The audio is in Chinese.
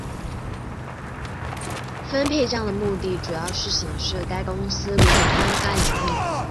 分配帐的目的主要是显示该公司如何分发盈利。